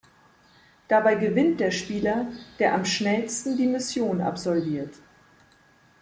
Dabei gewinnt der Spieler, der am schnellsten die Mission absolviert.